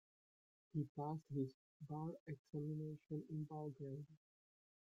He passed his bar examination in Belgrade.